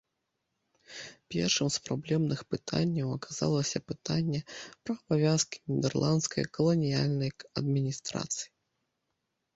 Першым з праблемных пытанняў аказалася пытанне пра абавязкі нідэрландскай каланіяльнай адміністрацыі.